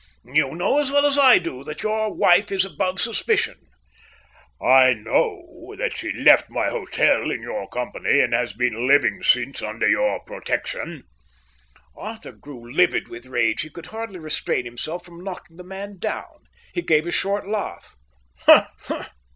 "You know as well as I do that your wife is above suspicion." "I know that she left my hotel in your company, and has been living since under your protection." Arthur grew livid with rage. He could hardly restrain himself from knocking the man down. He gave a short laugh.